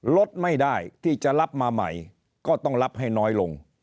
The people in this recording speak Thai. ลดไม่ได้ที่จะรับมาใหม่ก็ต้องรับให้น้อยลง